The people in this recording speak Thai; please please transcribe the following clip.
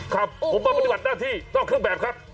ครับผมมาปฏิบัติหน้าที่นอกเครื่องแบบครับ